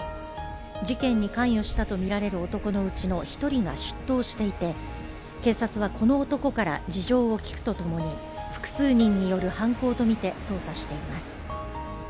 事件に関与したとみられる男のうちの１人が出頭していて、警察は、この男から事情を聴くとともに複数人による犯行とみて捜査しています。